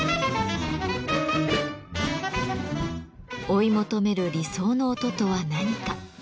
追い求める理想の音とは何か？